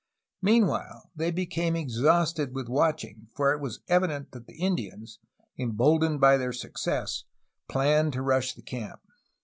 Meanwhile they became exhausted with watching, for it was evident that the Indians, emboldened by their success, planned to rush the camp.